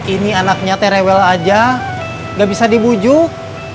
ini anaknya te rewel aja gak bisa dibujuk